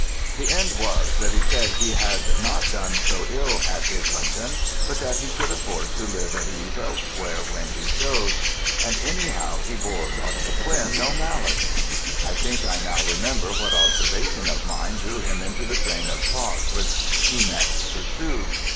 The end was that he said he had not done so ill at Islington but that he could afford to live at ease elsewhere when he chose, and anyhow he bore Dr. Quinn no malice. I think I now remember what observation of mine drew him into the train of thought which he next pursued.